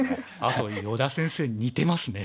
あと依田先生似てますね。